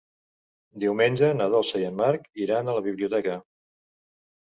Diumenge na Dolça i en Marc iran a la biblioteca.